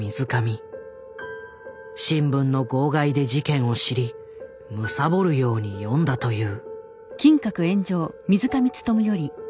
新聞の号外で事件を知り貪るように読んだという。